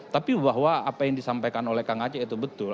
tapi bahwa apa yang disampaikan oleh kang aceh itu betul